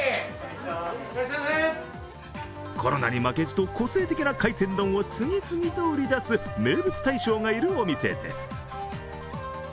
コロナに負けじと個性的な海鮮丼をつぎつぎと売り出す名物大将がいるお店です。